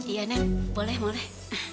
iya nem boleh boleh